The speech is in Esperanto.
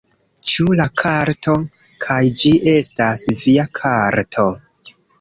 Ĉu la karto... kaj ĝi estas via karto...